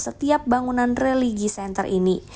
setiap bangunan religi center ini